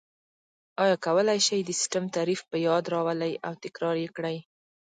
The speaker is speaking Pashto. آیا کولای شئ د سیسټم تعریف په یاد راولئ او تکرار یې کړئ؟